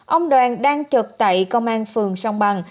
ông đoàn đang trực tại công an phường sông bằng